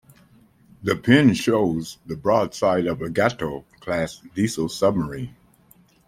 The pin shows the broadside of a "Gato"-class diesel submarine.